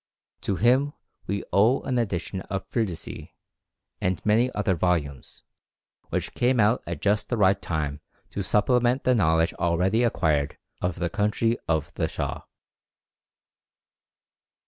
To him we owe an edition of Firdusi, and many other volumes, which came out at just the right time to supplement the knowledge already acquired of the country of the Shah.